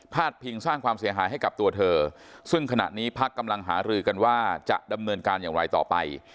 พิงสร้างความเสียหายให้กับตัวเธอซึ่งขณะนี้พักกำลังหารือกันว่าจะดำเนินการอย่างไรต่อไป